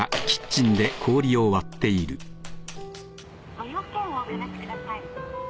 ご用件をお話しください。